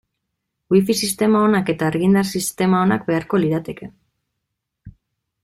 Wifi sistema onak eta argindar sistema onak beharko lirateke.